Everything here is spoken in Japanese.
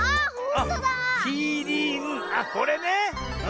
あっこれね。